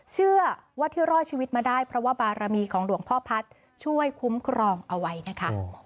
เชื่อว่าที่รอดชีวิตมาได้เพราะว่าบารมีของหลวงพ่อพัฒน์ช่วยคุ้มครองเอาไว้นะคะ